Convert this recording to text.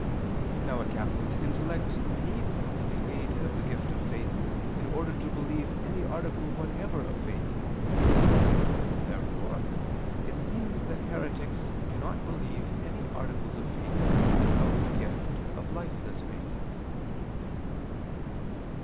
Now a catholic's intellect needs the aid of the gift of faith in order to believe any article whatever of faith. Therefore it seems that heretics cannot believe any articles of faith without the gift of lifeless faith.